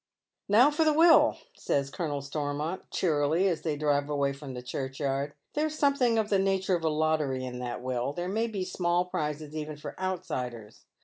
" Now for the will," says Colonel Stormont, cheerily, as they drive away from the churchyard. There is something of the nature of a lottery in that will. There may be small prizes even for outsiders.